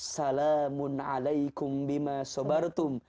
salamun'alaikum bima sobartum